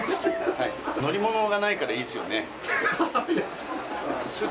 乗り物がないからいいですよね。